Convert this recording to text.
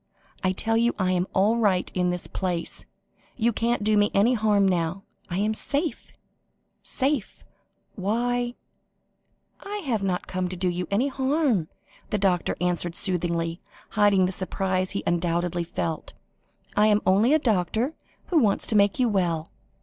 I tell you I am all right in this place; you can't do me any harm now; I am safe safe why " "I have not come to do you any harm," the doctor answered soothingly, hiding the surprise he undoubtedly felt. "I am only a doctor who wants to make you well.